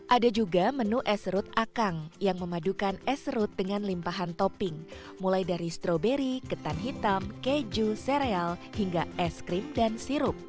ada juga menu es serut akang yang memadukan es serut dengan limpahan topping mulai dari stroberi ketan hitam keju sereal hingga es krim dan sirup